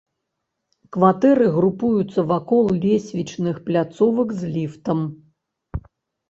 Кватэры групуюцца вакол лесвічных пляцовак з ліфтам.